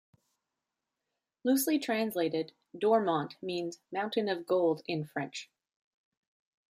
Loosely translated, Dormont means "Mountain of Gold" in French.